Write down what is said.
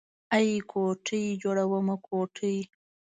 ای کوټې جوړومه کوټې.